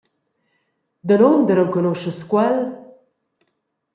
Danunder enconuschas quel?